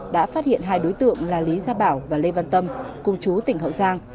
đã phát hiện hai đối tượng là lý gia bảo và lê văn tâm cùng chú tỉnh hậu giang